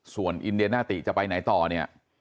ส่วนอินเดียนาติจะไปไหนต่อเนี่ย